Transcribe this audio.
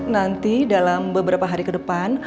nanti dalam beberapa hari ke depan